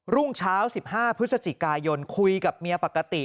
รุ่งเช้า๑๕พฤศจิกายนคุยกับเมียปกติ